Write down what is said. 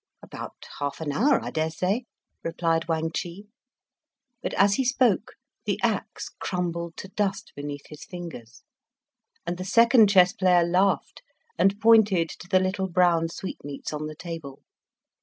"About half an hour, I dare say," replied Wang Chih. But as he spoke, the axe crumbled to dust beneath his fingers, and the second chess player laughed, and pointed to the little brown sweetmeats on the table.